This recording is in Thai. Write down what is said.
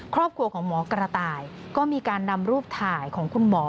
ครอบครัวของหมอกระต่ายก็มีการนำรูปถ่ายของคุณหมอ